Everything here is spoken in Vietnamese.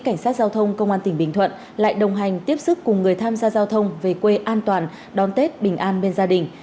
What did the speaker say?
cảnh sát giao thông công an tỉnh bình thuận lại đồng hành tiếp sức cùng người tham gia giao thông về quê an toàn đón tết bình an bên gia đình